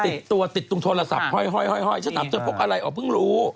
ติดตัวติดตรงโทรศัพท์ห้อยฉันถามเธอพกอะไรอ๋อเพิ่งรู้